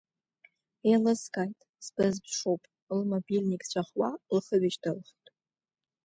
Еилыскааит, сбызԥшуп, лмобильник ҵәахуа, лхы ҩышьҭылхит…